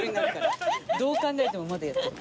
どう考えてもまだやってる。